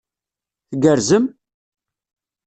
Tgerrzem?